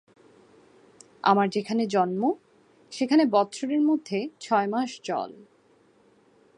আমার যেখানে জন্ম, সেখানে বৎসরের মধ্যে ছয়মাস জল।